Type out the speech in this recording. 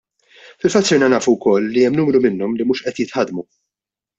Fil-fatt sirna nafu wkoll li hemm numru minnhom li mhux qed jitħaddmu.